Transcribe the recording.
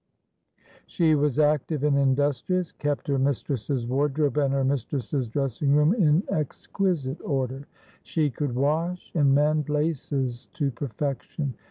She was active and industrious, kept her mistress's wardrobe and her mistress's dressing room in exquisite order. She could wash and mend laces to perfection.